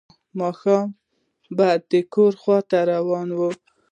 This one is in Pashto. ماښام به د کور خواته روان و.